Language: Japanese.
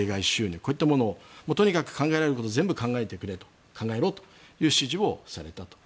こういったものをとにかく考えられるものを全部考えてくれ考えろという指示をされたと。